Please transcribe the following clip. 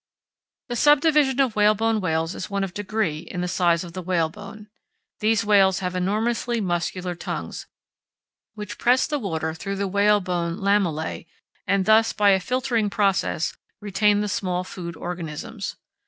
The subdivision of whalebone whales is one of degree in the size of the whalebone. These whales have enormously muscular tongues, which press the water through the whalebone lamellæ and thus, by a filtering process, retain the small food organisms.